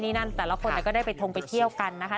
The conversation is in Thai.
นี่นั่นแต่ละคนก็ได้ไปทงไปเที่ยวกันนะคะ